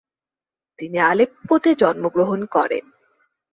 তিনি আলেপ্পোতে জন্মগ্রহণ করেন।